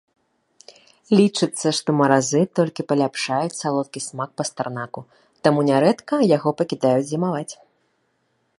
Лічыцца, што маразы толькі паляпшаюць салодкі смак пастарнаку, таму нярэдка яго пакідаюць зімаваць.